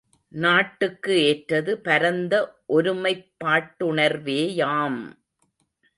நாட்டுக்கு ஏற்றது பரந்த ஒருமைப் பாட்டுணர்வேயாம்!